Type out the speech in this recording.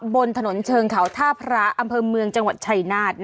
บนถนนเชิงเขาท่าพระอำเภอเมืองจังหวัดชัยนาธ